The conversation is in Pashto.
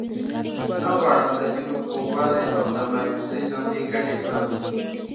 نه غواړم د هیلو خوږوالی او د مایوسۍ لمبې ګډې کړم.